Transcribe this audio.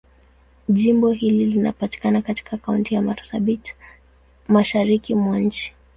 Jimbo hili linapatikana katika Kaunti ya Marsabit, Mashariki mwa nchi.